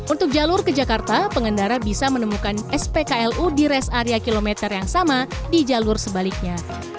untuk jalur ke jakarta pengendara bisa menemukan spklu di res area kilometer yang sama di jalur sebaliknya